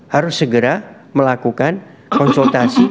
harus segera melakukan konsultasi